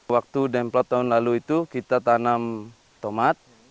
waktu demplot tahun lalu itu kita tanam tomat